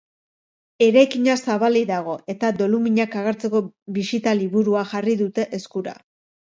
Eraikina zabalik dago, eta doluminak agertzeko bisita-liburua jarri dute eskura.